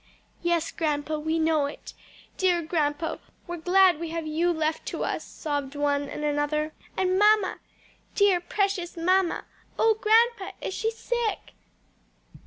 "Yes, grandpa, we know it," "Dear grandpa, we're glad we have you left to us," sobbed one and another. "And mamma, dear, precious mamma! O grandpa, is she sick?"